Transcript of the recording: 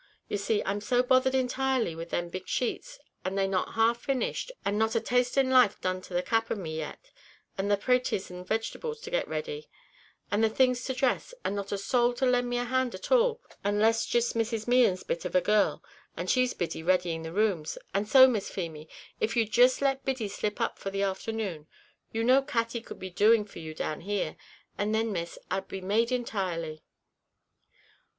You see I'm so bothered intirely with them big sheets, and they not half finished, and not a taste in life done to the cap of me yet, and the pratees and vegetables to get ready, and the things to dress, and not a sowl to lend me a hand at all, unless jist Mrs. Mehan's bit of a girl, and she's busy readying the rooms; and so, Miss Feemy, if you'd jist let Biddy slip up for the afthernoon, you know Katty could be doing for you down here, and then, Miss, I'd be made intirely."